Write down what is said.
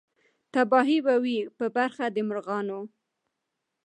تباهي به وي په برخه د مرغانو